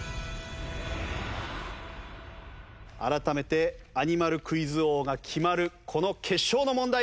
改めてアニマルクイズ王が決まるこの決勝の問題です。